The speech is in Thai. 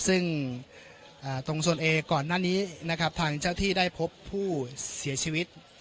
ซึ่งตรงโซนเอก่อนหน้านี้นะครับทางเจ้าที่ได้พบผู้เสียชีวิต